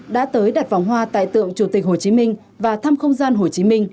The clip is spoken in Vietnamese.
đã tới đặt vòng hoa tại tượng chủ tịch hồ chí minh và thăm không gian hồ chí minh